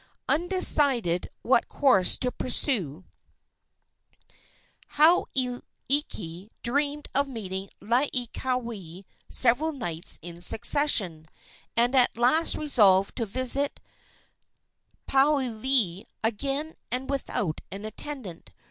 Undecided what course to pursue, Hauailiki dreamed of meeting Laieikawai several nights in succession, and at last resolved to visit Paliuli again and without an attendant.